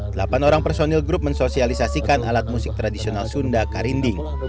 delapan orang personil group mensosialisasikan alat musik tradisional sunda karinding